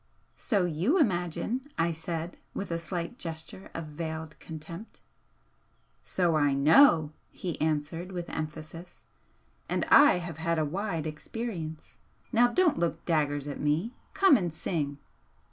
"So YOU imagine!" I said, with a slight gesture of veiled contempt. "So I KNOW!" he answered, with emphasis "And I have had a wide experience. Now don't look daggers at me! come and sing!"